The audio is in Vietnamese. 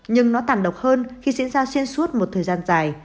nhưng nó tàn độc hơn khi diễn ra xuyên suốt một thời gian dài